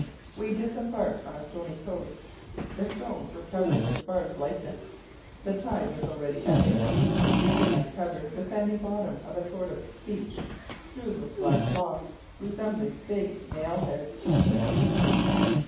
We disembarked on a stony coast. The stones were covered with sparse lichen. The tide was already ebbing, leaving uncovered the sandy bottom of a sort of beach strewn with black blocks, resembling big nail heads.